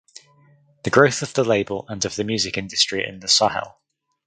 The growth of the label and of the music industry in the Sahel